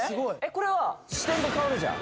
これは視点が変わるじゃん